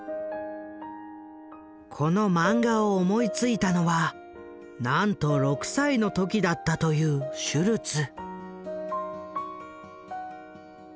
このマンガを思いついたのはなんと６歳の時だったというシュルツ。